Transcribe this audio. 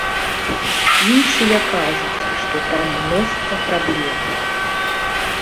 Іншыя кажуць, што там мноства праблем.